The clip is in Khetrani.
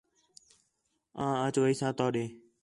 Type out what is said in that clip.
آں اَچ ویساں تو ݙے